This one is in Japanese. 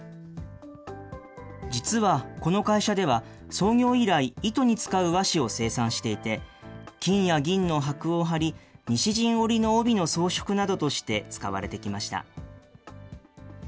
実はこの会社では、創業以来、糸に使う和紙を生産していて、金や銀のはくを貼り、西陣織の帯の装飾などとして使われてきました。